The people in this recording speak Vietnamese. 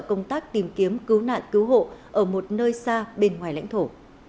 công tác tìm kiếm cứu nạn cứu hộ ở một nơi xa bên ngoài lãnh thổ